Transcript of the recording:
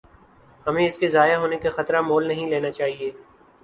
ہمیں اس کے ضائع ہونے کا خطرہ مول نہیں لینا چاہیے۔